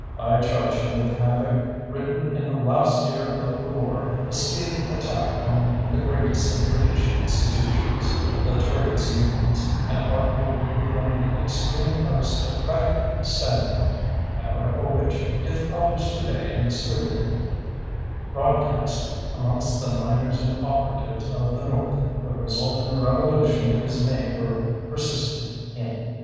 I charge him with having written in the last year of the war a scathing attack upon the greatest of British institutions, the trades unions, an article written from the extreme aristocratic standpoint, an article which, if published to day and distributed broadcast amongst the miners and operatives of the north, would result in a revolution if his name were persisted in."